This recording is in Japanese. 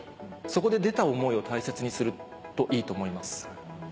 そこで出た思いを大切にするといいと思います。